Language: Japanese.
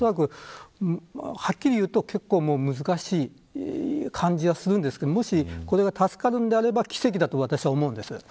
はっきり言うと、結構難しい感じはするんですけどもし、助かるのであれば奇跡だと思うんです。